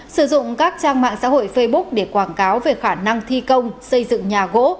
sử dụng các trang mạng xã hội facebook để quảng cáo về khả năng thi công xây dựng nhà gỗ